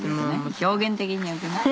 表現的によくない？